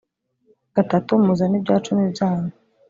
gatatu muzane ibya cumi byanyu